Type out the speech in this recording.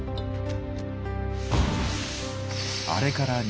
あれから２か月。